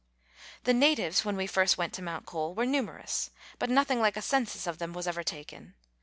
The natives when we first went to Mount Cole were numerous, but nothing like a census of them was ever taken.